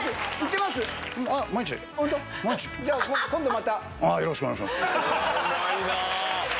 今度また。